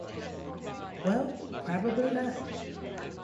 Well, probably not.